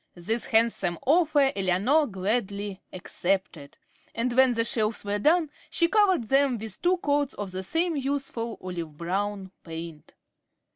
This handsome offer Eleanor gladly accepted, and when the shelves were done, she covered them with two coats of the same useful olive brown paint.